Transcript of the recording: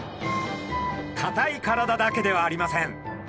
かたい体だけではありません。